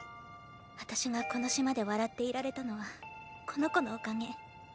あたしがこの島で笑っていられたのはこの子のおかげ。